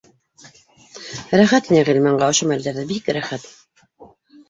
Рәхәт ине Ғилманға ошо мәлдәрҙә, бик рәхәт